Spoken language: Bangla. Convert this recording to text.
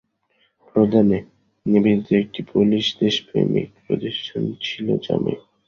প্রদানে নিবেদিত একটি পোলিশ দেশপ্রেমিক প্রতিষ্ঠান ছিল যা মেয়ে